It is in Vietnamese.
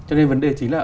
cho nên vấn đề chính là